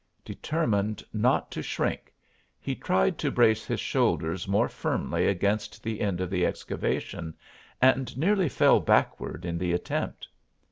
Determined not to shrink, he tried to brace his shoulders more firmly against the end of the excavation, and nearly fell backward in the attempt.